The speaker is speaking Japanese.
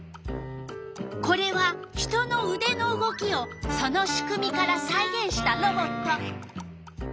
これは人のうでの動きをその仕組みからさいげんしたロボット。